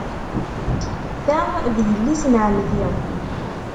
Ta d yelli-s n ɛemmti.